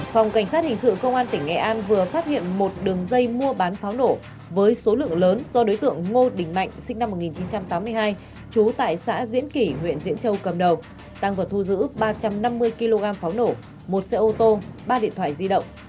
phòng cảnh sát hình sự công an tỉnh nghệ an vừa phát hiện một đường dây mua bán pháo nổ với số lượng lớn do đối tượng ngô đình mạnh sinh năm một nghìn chín trăm tám mươi hai trú tại xã diễn kỷ huyện diễn châu cầm đầu tăng vật thu giữ ba trăm năm mươi kg pháo nổ một xe ô tô ba điện thoại di động